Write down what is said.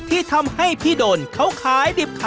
ที่ทำให้พี่โดนเขาขายดิบขายดีนะครับ